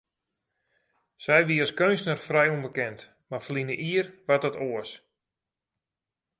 Sy wie as keunstner frij ûnbekend, mar ferline jier waard dat oars.